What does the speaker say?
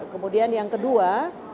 kemudian yang kedua